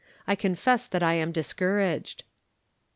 I confess that I am discour aged."